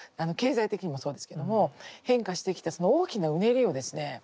経済的にもそうですけども変化してきたその大きなうねりをですね